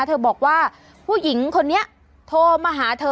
เธอบอกว่าผู้หญิงคนนี้โทรมาหาเธอ